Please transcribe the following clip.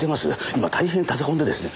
今大変立て込んでですね。